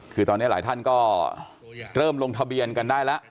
คือตอนนี้หลายท่านก็เริ่มลงทะเบียนกันได้แล้ว